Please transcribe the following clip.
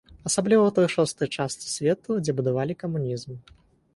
Асабліва ў той шостай часты свету, дзе будавалі камунізм.